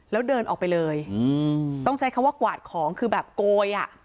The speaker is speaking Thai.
แล้วเดินออกไปเลยต้องใช้คำว่ากวาดของคือแบบโกยอ่ะ